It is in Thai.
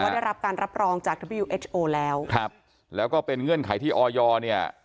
เราก็ได้รับการรับรองจากแล้วครับแล้วก็เป็นเงื่อนไขที่เนี่ย